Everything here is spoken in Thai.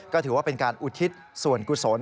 ก็ถือว่าเป็นการอุทิศส่วนกุศล